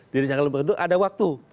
direncanakan lebih dahulu ada waktu